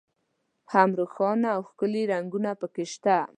هم روښانه او ښکلي رنګونه په کې شته.